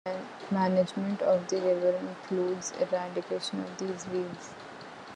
Management of the river includes eradication of these weeds.